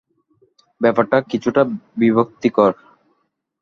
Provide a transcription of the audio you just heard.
ব্যাপারটা কিছুটা বিব্রতকর।